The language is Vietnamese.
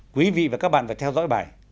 quý vị và các bạn phải theo dõi bài